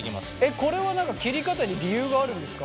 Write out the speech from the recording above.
これは切り方に理由があるんですか？